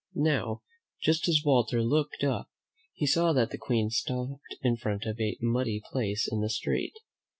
Now, just as Walter looked up, he saw that the Queen stopped in front of a muddy place in the street.